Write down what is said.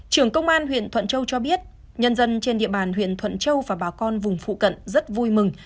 trưởng công an huyện thuận châu cho biết nhân dân trên địa bàn huyện thuận châu và bà con vùng phụ cận rất vui mừng